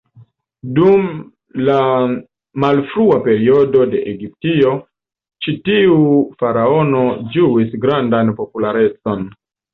Dum la malfrua periodo de Egiptio, ĉi tiu faraono ĝuis grandan popularecon.